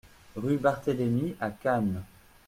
Rue Barthélémy à Cannes